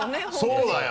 そうだよ。